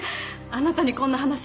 あなたにこんな話。